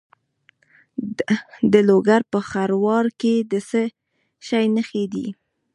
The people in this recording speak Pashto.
د لوګر په خروار کې د څه شي نښې دي؟